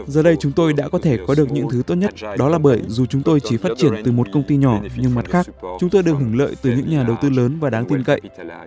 giờ đây chúng tôi đã có thể có được những thứ tốt nhất đó là bởi dù chúng tôi chỉ phát triển từ một công ty nhỏ nhưng mặt khác chúng tôi được hưởng lợi từ những nhà đầu tư lớn và đáng tin cậy